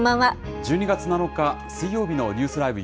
１２月７日水曜日のニュースＬＩＶＥ！